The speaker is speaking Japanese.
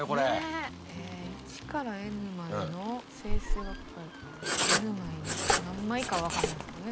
え１からｎまでの整数が書かれたｎ枚の何枚かは分かんないですもんね